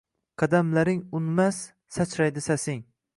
Qadamlaring unmas, sachraydi sasing: